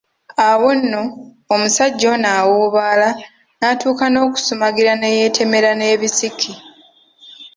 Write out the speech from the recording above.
Awo nno omusajja ono awuubaala n’atuuka n’okusumagira ne yeetemera n’ebisiki.